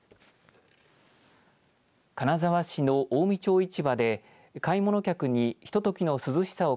金沢市の近江町市場で買い物客にひとときの涼しさを